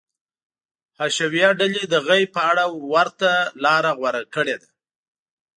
حشویه ډلې د غیب په اړه ورته لاره غوره کړې ده.